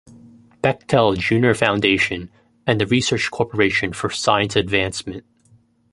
Bechtel Junior Foundation, and the Research Corporation for Science Advancement.